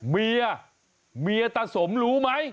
เมียตาสมรู้ไหม